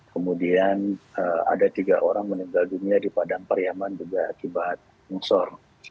kemudian ada tiga orang meninggal dunia di padang pariaman juga akibat longsor